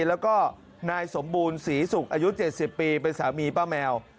แล้วก็นายสมบูรณ์ศรีศุกร์อายุ๗๐ปีเป็นสามีป้าแมว